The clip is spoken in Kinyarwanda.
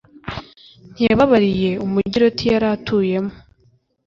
ntiyababariye umugi loti yari atuyemo